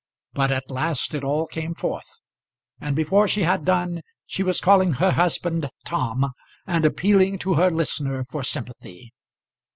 But at last it all came forth; and before she had done she was calling her husband Tom, and appealing to her listener for sympathy.